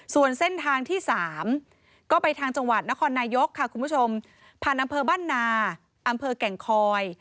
ส่วนเส้นทางที่๓ก็ไปทางจังหวัดนครนายกค่ะคุณผู้ชมผ่านอำเภอบ้านนาอำเภอแก่งคอย